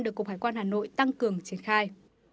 được cục hải quan hà nội tăng cường triển khai